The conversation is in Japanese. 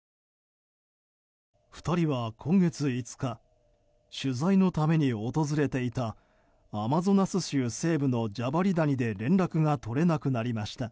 ２人は今月５日取材のために訪れていたアマゾナス州西部のジャバリ谷で連絡が取れなくなりました。